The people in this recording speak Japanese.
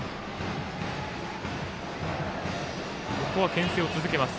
けん制を続けます。